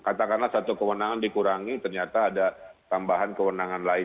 katakanlah satu kewenangan dikurangi ternyata ada tambahan kewenangan lain